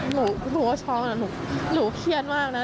หนูก็ชอบนะหนูเครียดมากนะ